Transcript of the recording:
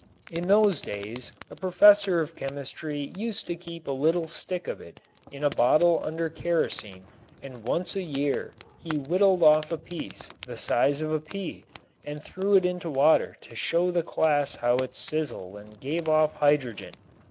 In those days a professor of chemistry used to keep a little stick of it in a bottle under kerosene and once a year he whittled off a piece the size of a pea and threw it into water to show the class how it sizzled and gave off hydrogen.